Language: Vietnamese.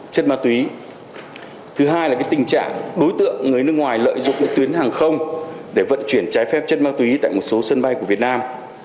chất ma túy thứ hai là tình trạng đối tượng người nước ngoài lợi dụng những tuyến hàng không để vận chuyển trái phép chất ma túy tại một số sân bay của việt nam